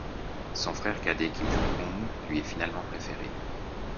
Son frère cadet, Kim Jong-un, lui est finalement préféré.